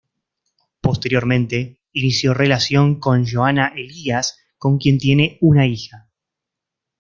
Posteriormente inició relación con Johana Elías, con quien tiene una hija.